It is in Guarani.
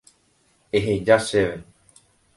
Eheja chéve.